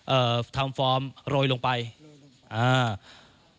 เอ่อทำฟอร์มโรยลงไปอ่า